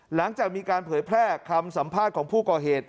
หลังจากมีการเผยแพร่คำสัมภาษณ์ของผู้ก่อเหตุ